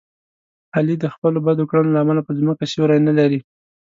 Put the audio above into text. علي د خپلو بدو کړنو له امله په ځمکه سیوری نه لري.